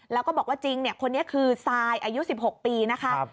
แล้วก็บอกว่าจริงคนนี้คือซายอายุ๑๖ปีนะคะ